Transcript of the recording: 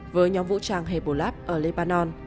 với nhóm vũ trang hebolab ở lebanon